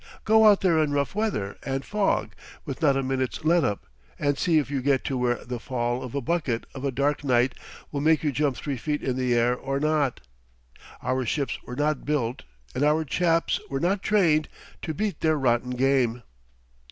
Go out there in rough weather and fog with not a minute's let up, and see if you get to where the fall of a bucket of a dark night will make you jump three feet in the air or not! Our ships were not built, and our chaps were not trained, to beat their rotten game."